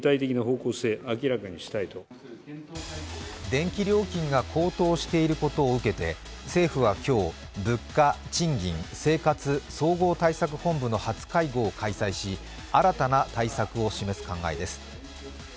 電気料金が高騰していることを受けて、政府は今日、物価・賃金・生活総合対策本部の初会合を開催し、新たな対策を示す考えです。